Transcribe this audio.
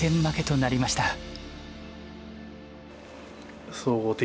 負けとなりました。